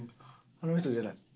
あの人じゃない。